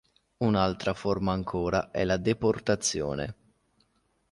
Un'altra forma ancora è la deportazione.